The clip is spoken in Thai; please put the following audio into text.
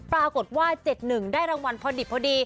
ปรากฏว่า๗๑ได้รางวัลพอดิบพอดี